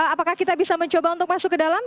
apakah kita bisa mencoba untuk masuk ke dalam